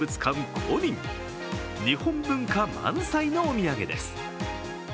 公認、日本文化満載のお土産です。